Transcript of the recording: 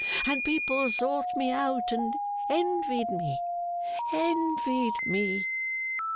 and people sought me out, and envied me. Envied me!